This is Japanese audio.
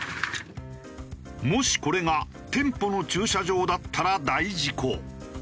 もしこれが店舗の駐車場だったら大事故。